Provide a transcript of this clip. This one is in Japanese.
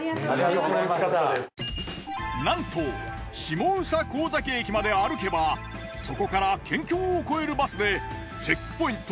なんと下総神崎駅まで歩けばそこから県境を越えるバスでチェックポイント